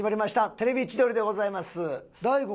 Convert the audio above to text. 『テレビ千鳥』でございます。